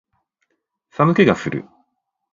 寒気がする